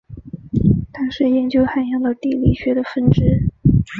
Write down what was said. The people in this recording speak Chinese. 它是研究海洋的地理学的分支。